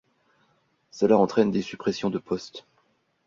Cela entraîne des suppressions de postes.